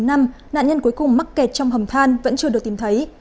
nạn nhân cuối cùng mắc kẹt trong hầm than vẫn chưa được tìm thấy